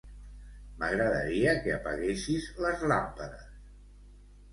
M'agradaria que apaguessis les làmpades.